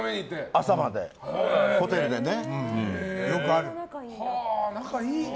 朝までホテルでね。